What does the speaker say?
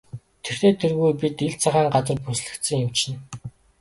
Тэртэй тэргүй бид ил цагаан газар бүслэгдсэн юм чинь.